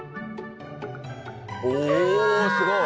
おおすごい！